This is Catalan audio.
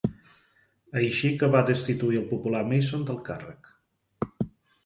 Així que va destituir el popular Mason del càrrec.